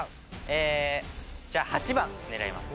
えーじゃあ８番狙います。